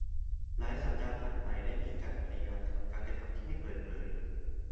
หลายสัปดาห์ผ่านไป และมีการพยายามทำการกระทำที่ไม่เปิดเผย